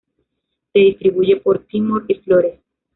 Se distribuye por Timor y Flores.